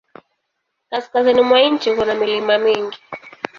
Kaskazini mwa nchi kuna milima mingi.